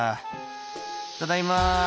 「ただいま」